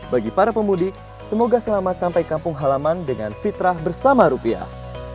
bagi para pemudik semoga selamat sampai kampung halaman dengan fitrah bersama rupiah